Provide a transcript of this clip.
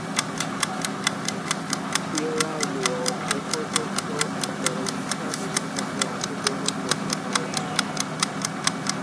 Sierra Leone এপর্যন্ত একবারও FIFA বিশ্বকাপে অংশগ্রহণ করতে পারেনি।